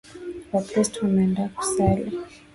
Wakristo wameenda kusali